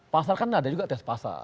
pasar kan ada juga tes pasar